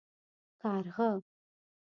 🐦⬛ کارغه